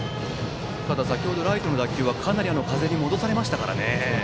先程ライトの打球はかなり風に戻されましたから。